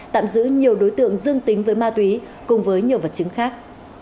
tạm giữ nhiều đối tượng dương tính với ma túy cùng với nhiều vật chứng khác